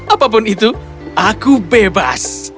apapun itu aku bebas